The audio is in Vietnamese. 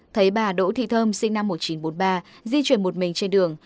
thấy bà đỗ thị thơm sinh năm một nghìn chín trăm bốn mươi ba di chuyển một mình trên đường